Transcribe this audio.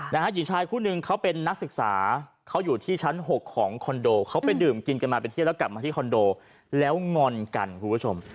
หญิงชายคู่นึงเขาเป็นนักศึกษาเขาอยู่ที่ชั้นหกของคอนโดเขาไปดื่มกินกันมาเป็นเที่ยวแล้วกลับมาที่คอนโดแล้วงอนกันคุณผู้ชม